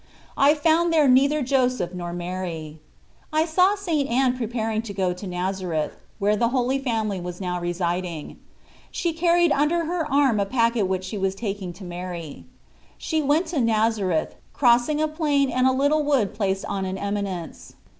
I found there neither Joseph nor Mary. I saw St. Anne preparing to go to Nazareth, where the Holy Family was now residing. She carried under her arm a packet which she was taking to Mary. She went to Nazareth, crossing a plain and a little wood placed on an eminence.